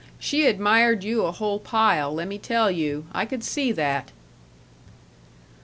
She admired you a whole pile, lemme tell you; I could see that."